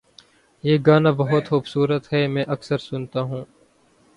یہ گانا بہت خوبصورت ہے، میں اکثر سنتا ہوں